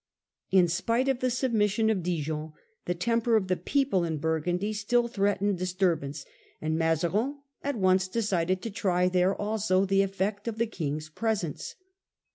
In spite of the submission of Dijon, the temper of the people in Burgundy still threatened disturbance, and The court in Mazarin at once decided to try there also Burgundy, the effect of the King's presence.